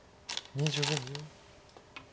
２５秒。